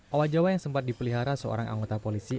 owa jawa yang sempat dipelihara seorang anggota polisi